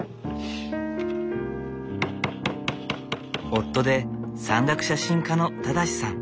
夫で山岳写真家の正さん。